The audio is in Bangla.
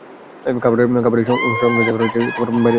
খাবারের সন্ধানে তারা মাঝে মাঝে রাতে বাইরে বের হয়, আবার ফিরে আসে।